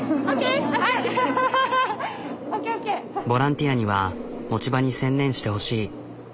ボランティアには持ち場に専念してほしい。